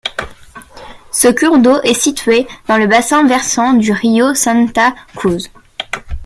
Ce cours d'eau est situé dans le bassin versant du río Santa Cruz.